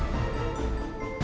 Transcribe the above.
aku akan buktikan